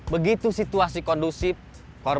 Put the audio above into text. begitu kelihatannya puas banget